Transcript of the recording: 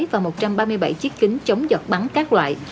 và một trăm ba mươi bảy chiếc kính chống giọt bắn các loại